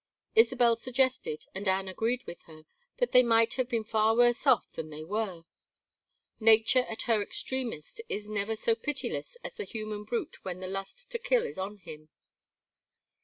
Isabel suggested, and Anne agreed with her, that they might have been far worse off than they were; nature at her extremest is never so pitiless as the human brute when the lust to kill is on him.